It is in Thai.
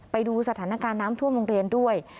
ไปดูสถานการณ์น้ำท่วมโรงเรียนด้วย